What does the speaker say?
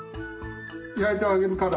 焼いてあげるから。